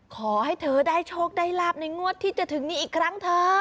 ขอให้เธอได้โชคได้ลาบในงวดที่จะถึงนี้อีกครั้งเถอะ